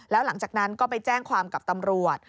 แล้วหลังจากนั้นก็ไปแจ้งความกับตำรวจ